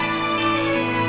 aku mau ke rumah